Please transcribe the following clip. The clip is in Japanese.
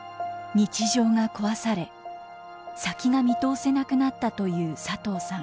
日常が壊され先が見通せなくなったという佐藤さん。